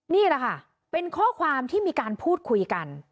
นี่แหละค่ะเป็นข้อความที่มีการพูดคุยกัน